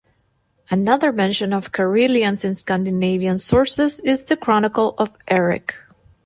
Another mention of Karelians in Scandinavian sources is The Chronicle of Erik.